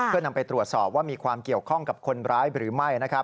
เพื่อนำไปตรวจสอบว่ามีความเกี่ยวข้องกับคนร้ายหรือไม่